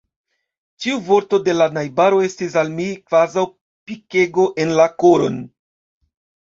Ĉiu vorto de la najbaro estis al mi kvazaŭ pikego en la koron.